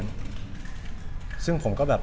ก็คือทำไมผมถึงไปยื่นคำร้องต่อสารเนี่ย